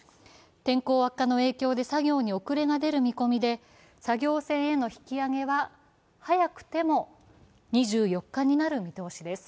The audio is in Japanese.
天候悪化の影響で作業に遅れが出る見込みで作業船への引き揚げは早くても２４日になる見通しです。